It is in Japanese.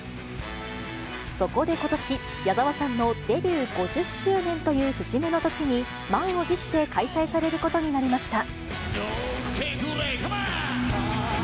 そこでことし、矢沢さんのデビュー５０周年という節目の年に、満を持して開催されることになりました。